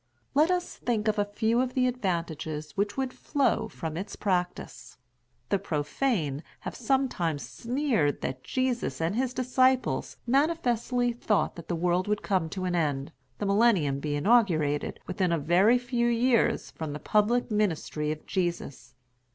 Let us think of a few of the advantages which would flow from its practice. The profane have sometimes sneered that Jesus and his disciples manifestly thought that the world would come to an end, the millennium be inaugurated, within a very few years from the public ministry of Jesus.